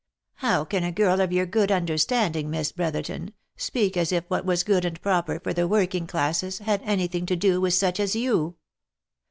How can a girl of your good understanding, Miss Brotherton, speak as if what was good and proper for the working classes, had any thing to do with such as you.